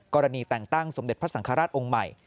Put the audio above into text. กระทั่งแต่งตั้งสมเด็จพระสังฆราชองค์ใหม่